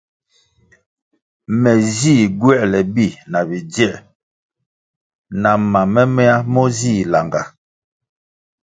Me zih gywoēle bi na bidzie na mam momeya mo zih langah.